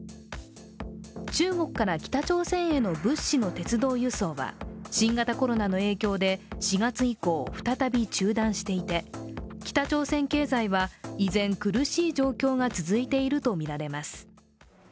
中国から北朝鮮への物資の鉄道輸送は新型コロナの影響で４月以降、再び中断していて北朝鮮経済は依然、苦しい状況が続いているとみられます。